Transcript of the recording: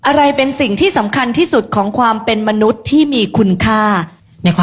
อะไรคือสิ่งที่สำคัญที่สุดในการเป็นมนุษย์ที่คุ้นค่ะ